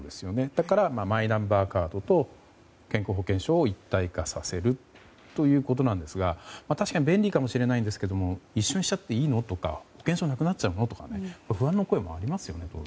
だから、マイナンバーカードと健康保険証を一体化させるということなんですが確かに便利かもしれないんですけれども一緒にしちゃっていいの？とか保険証なくなっちゃうの？とか不安の声もありますよね。